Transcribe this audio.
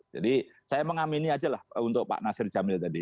jadi saya mengamini aja lah untuk pak narsir jamil tadi